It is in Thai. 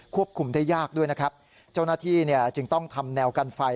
คุมได้ยากด้วยนะครับเจ้าหน้าที่เนี่ยจึงต้องทำแนวกันไฟ